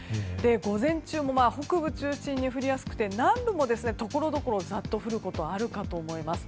午前中も北部中心に降りやすくて南部もところどころざっと降ることがあるかと思います。